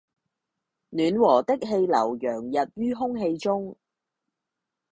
暖和的氣流洋溢於空氣中